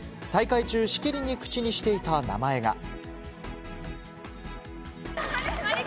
大会中、しきりに口にしていた名前が。